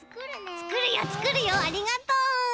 つくるよつくるよありがとう。